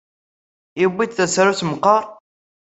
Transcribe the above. Yewwi-d tasarut meqqar?